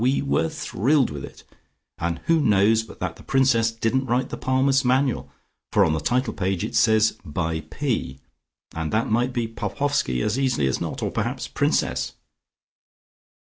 We were thrilled with it, and who knows but that the Princess didn't write the Palmist's Manual for on the title page it says it's by P. and that might be Popoffski as easily as not, or perhaps Princess."